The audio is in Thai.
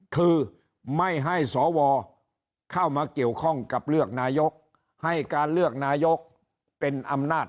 คือไม่ให้สวเข้ามาเกี่ยวข้องกับเลือกนายกให้การเลือกนายกเป็นอำนาจ